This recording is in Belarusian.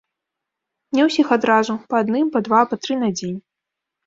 Не ўсіх адразу, па адным, па два, па тры на дзень.